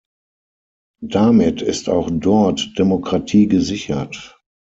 Damit ist auch dort Demokratie gesichert.